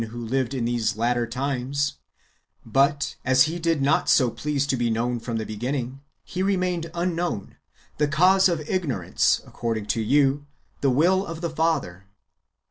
179 who lived in these latter times ; but, as Pie did not so please to be known from the beginning, He remained unknown — the cause of ignorance is, according to you, the will of the Father.